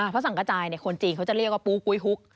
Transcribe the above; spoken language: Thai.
พระสังกระจายคนจีนเขาจะเรียกว่าปูกุ้ยฮุก